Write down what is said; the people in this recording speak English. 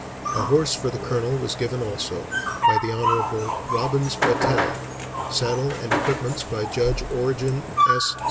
A horse for the Colonel was given also, by the Hon. Robbins Battell, saddle and equipments by Judge Origen S.